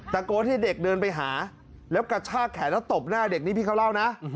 ตะโกนให้เด็กเดินไปหาแล้วกระชากแขนแล้วตบหน้าเด็กนี่พี่เขาเล่านะ